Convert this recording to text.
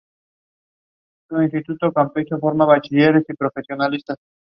La sede del condado es Darlington.